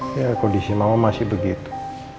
ya kondisi mama masih begitu